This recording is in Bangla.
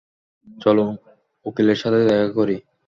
চলো উকিলের সাথে দেখা করি।